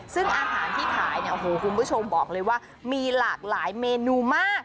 ซึ่งอาหารที่ขายเนี่ยโอ้โหคุณผู้ชมบอกเลยว่ามีหลากหลายเมนูมาก